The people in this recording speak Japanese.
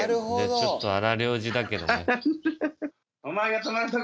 ちょっと荒療治だけどね。